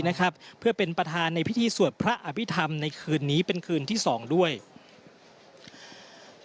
ในคุณท่านเป็นประธานในพิธีสวัสดิ์พระอบิธรรมในจะจุดประหลาดชีวิตไหล้